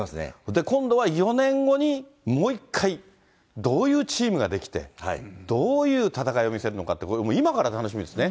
今度は４年後にもう一回、どういうチームが出来て、どういう戦いを見せるのかって、これ、今から楽しみですね。